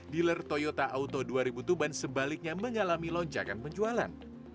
dealer toyota auto dua ribu tuban sebaliknya mengalami lonjakan penjualan